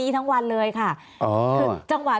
ตั้งแต่เริ่มมีเรื่องแล้ว